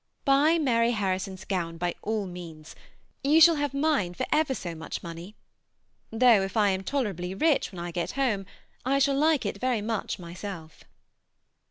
Buy Mary Harrison's gown by all means. You shall have mine for ever so much money, though, if I am tolerably rich when I get home, I shall like it very much myself.